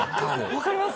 わかります？